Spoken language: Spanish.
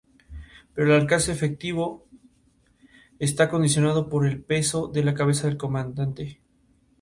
Pero el alcance efectivo esta condicionado por el peso de la cabeza de combate.